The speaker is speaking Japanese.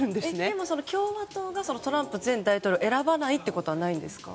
でも共和党がトランプ前大統領を選ばないことはないんですか？